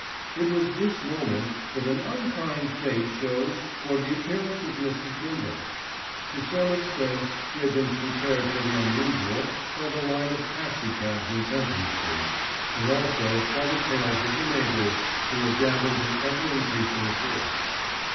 It was this moment that an unkind fate chose for the appearance of Mrs. Bindle. To some extent she had been prepared for the unusual by the line of taxi cabs in Fenton Street, and also by the tales of the neighbours, who had gathered in ever increasing force.